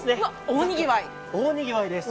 大にぎわいです。